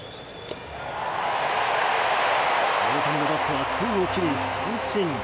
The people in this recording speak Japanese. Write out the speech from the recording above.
大谷のバットは空を切り三振。